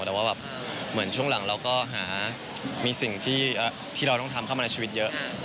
แต่ว่าแบบเหมือนช่วงหลังเราก็หามีสิ่งที่เราต้องทำเข้ามาในชีวิตเยอะ